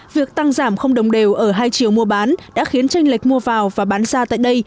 việc tăng giảm không đồng đều ở hai chiều mua bán đã khiến tranh lệch mua vào và bán ra tại đây